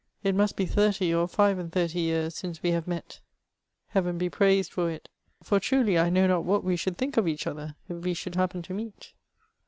It must be thirty or five and thirty years since we have met : Heaven be praised for 420 MEMOIBS OF it I for truly I know not what we should think of each other if we should happen to meet